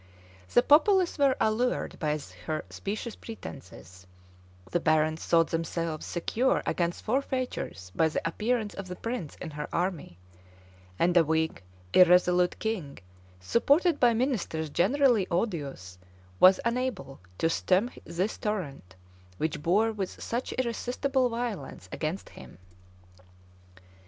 [*] The populace were allured by her specious pretences: the barons thought themselves secure against forfeitures by the appearance of the prince in her army: and a weak, irresolute king, supported by ministers generally odious, was unable to stem this torrent, which bore with such irresistible violence against him.